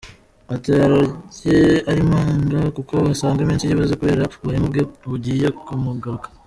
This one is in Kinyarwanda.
Ariko ararye ari manga kuko wasanga iminsi ye ibaze kubera ubuhemu bwe bugiye kumugaruka.